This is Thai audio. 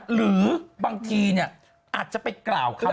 หรือบางทีเนี่ยอาจจะไปกล่าวคำสั่ง